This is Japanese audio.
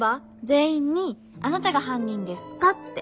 全員に「あなたが犯人ですか？」って。